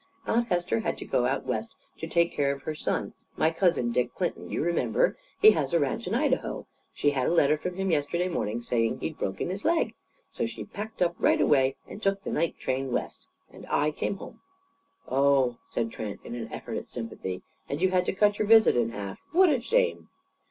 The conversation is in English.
Aunt Hester had to go out West to take care of her son my cousin, Dick Clinton, you remember? He has a ranch in Idaho. She had a letter from him yesterday morning, saying he'd broken his leg. So she packed up, right away; and took the night train, West. And I came home." "Oh!" said Trent, in an effort at sympathy. "And you had to cut your visit in half? What a shame!"